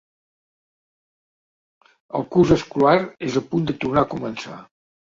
El curs escolar és a punt de tornar a començar.